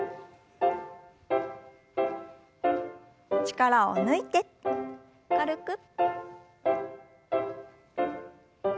力を抜いて軽く。